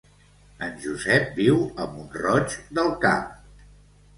En Josep viu a Mont-roig del Camp